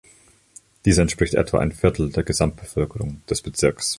Dies entspricht etwa ein Viertel der Gesamtbevölkerung des Bezirkes.